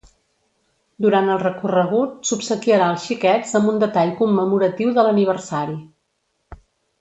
Durant el recorregut s’obsequiarà els xiquets amb un detall commemoratiu de l’aniversari.